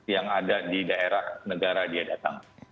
yang ada di daerah negara dia datang